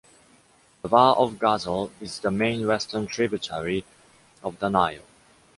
The Bahr of Ghazal is the main western tributary of the Nile.